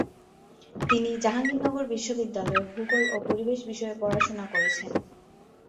তিনি জাহাঙ্গীরনগর বিশ্ববিদ্যালয়ে ভূগোল ও পরিবেশ বিষয়ে পড়াশোনা করেছেন।